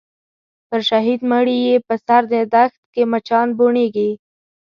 پر شهید مړي یې په سره دښت کي مچان بوڼیږي